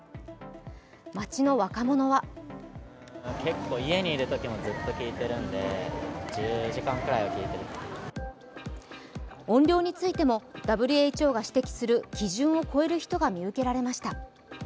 街の若者は音量についてもＷＨＯが指摘する基準を超える人が見受けられました。